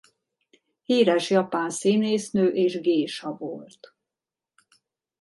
Híres japán színésznő és gésa volt.